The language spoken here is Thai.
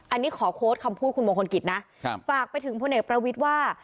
อันนี้ขอโค้ดคำพูดคุณมงคลกิจนะฝากไปถึงพลเอกประวิทย์ว่า